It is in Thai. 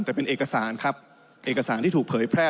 แต่เป็นเอกสารครับเอกสารที่ถูกเผยแพร่